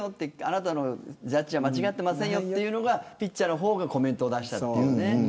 あなたのジャッジは間違っていないよというのがピッチャーの方がコメントを出した。